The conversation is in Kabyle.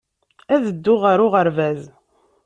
Ad dduɣ ɣer uɣerbaz.